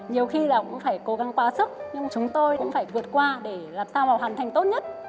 nhiều khi là cũng phải cố gắng quá sức nhưng mà chúng tôi cũng phải vượt qua để làm sao mà hoàn thành tốt nhất